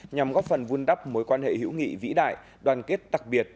nhằm góp phần vun đắp mối quan hệ hữu nghị vĩ đại đoàn kết đặc biệt